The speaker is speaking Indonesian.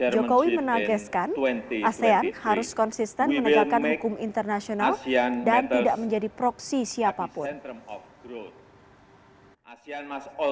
joko widodo menagiskan asean harus konsisten menegakkan hukum internasional dan tidak menjadi proksi siapapun